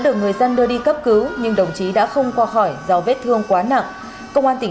được người dân đưa đi cấp cứu nhưng đồng chí đã không qua khỏi do vết thương quá nặng công an tỉnh